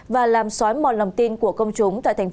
và làm xói mòn lòng tin của công chúng tại thượng hải